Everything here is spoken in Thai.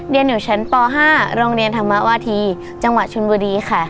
เรียนอยู่ชั้นป๕โรงเรียนธรรมวาธีจังหวัดชนบุรีค่ะ